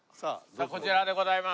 こちらでございます。